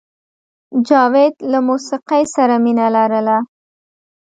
جاوید له موسیقۍ سره مینه لرله